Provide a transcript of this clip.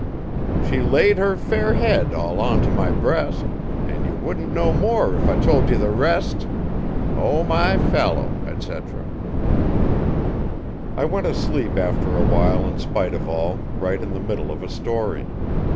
She laid her fair head all on to my breast, An' ye wouldn't know more if I tol' ye the rest O, my fallow, etc. I went asleep after awhile in spite of all, right in the middle of a story.